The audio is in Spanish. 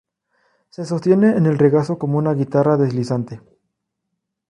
Se sostiene en el regazo como una guitarra deslizante.